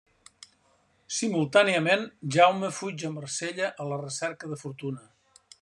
Simultàniament Jaume fuig a Marsella a la recerca de fortuna.